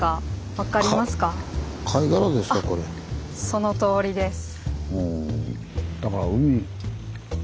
そのとおりです。